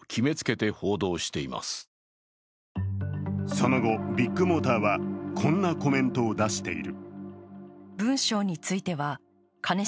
その後、ビッグモーターはこんなコメントを出している。